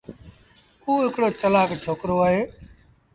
اُ هڪڙو چلآڪ ڇوڪرو اهي۔